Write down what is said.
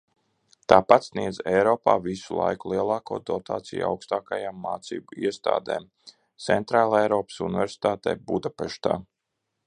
Tāpat sniedza Eiropā visu laiku lielāko dotāciju augstākajām mācību iestādēm – Centrāleiropas Universitātē Budapeštā.